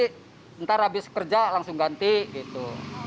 ntar habis kerja langsung ganti gitu